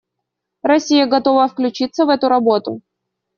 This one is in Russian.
Россия готова включиться в эту работу.